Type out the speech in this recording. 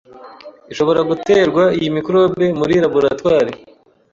ishobora guterwa iyi microbe muri laboratoire